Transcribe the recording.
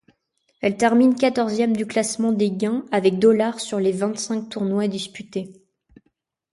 Elle termine quatorzième du classement des gains avec dollars sur les vingt-cinq tournois disputés.